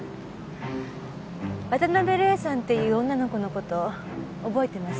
渡辺玲さんっていう女の子の事覚えてます？